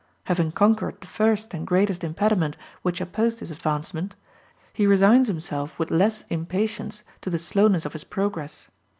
Having conquered the first and greatest impediment which opposed his advancement, he resigns himself with less impatience to the slowness of his progress.